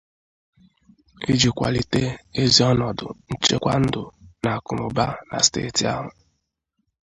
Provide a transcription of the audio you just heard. iji kwalite ezi ọnọdụ nchekwa ndụ na akụnụba na steeti ahụ